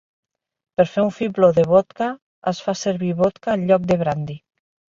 Per fer un "fibló de vodka" es fa servir vodka en lloc de brandi.